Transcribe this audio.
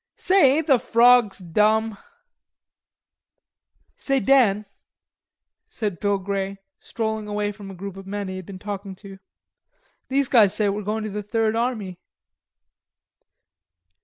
"Say, ain't the frogs dumb?" "Say, Dan," said Bill Grey, strolling away from a group of men he had been talking to. "These guys say we are going to the Third Army."